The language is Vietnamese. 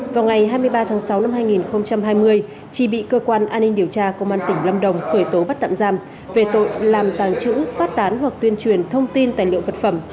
vào ngày hai mươi ba tháng sáu năm hai nghìn hai mươi chi bị cơ quan an ninh điều tra công an tỉnh lâm đồng khởi tố bắt tạm giam về tội làm tàng trữ phát tán hoặc tuyên truyền thông tin tài liệu vật phẩm